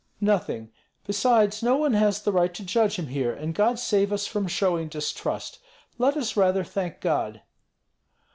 "Nothing! Besides, no one has the right to judge him here, and God save us from showing distrust. Let us rather thank God."